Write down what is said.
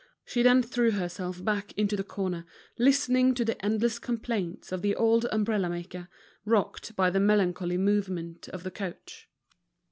She then threw herself back into the corner, listening to the endless complaints of the old umbrella maker, rocked by the melancholy movement of the coach.